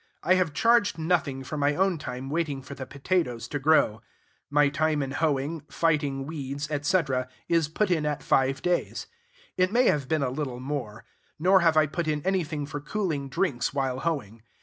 I have charged nothing for my own time waiting for the potatoes to grow. My time in hoeing, fighting weeds, etc., is put in at five days: it may have been a little more. Nor have I put in anything for cooling drinks while hoeing.